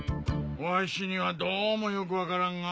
わしにはどうもよく分からんが。